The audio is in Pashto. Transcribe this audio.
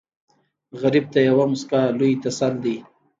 غریب ته یوه موسکا لوی تسل دی